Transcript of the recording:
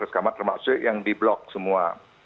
satu dua ratus kamar termasuk yang di blok semua